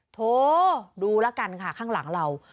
โถดูแล้วกันค่ะข้างหลังเรา